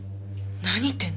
何言ってるの？